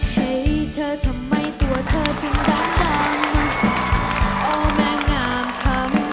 เห้ยเธอทำไมตัวเธอถึงดำดำโอ้แม่งงามคำ